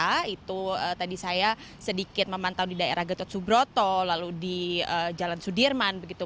waktu tadi saya sedikit memantau di daerah getot subroto lalu di jalan sudirman begitu